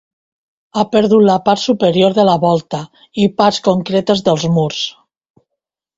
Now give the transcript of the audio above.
Ha perdut la part superior de la volta i parts concretes dels murs.